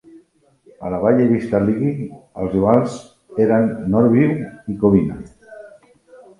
A la Valle Vista League, els rivals eren Northview i Covina.